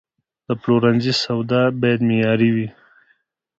د پلورنځي سودا باید معیاري وي.